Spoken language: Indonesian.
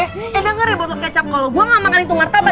eh denger ya botol kecap kalo gua gak makan itu ngertabak